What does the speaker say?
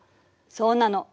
そうなの。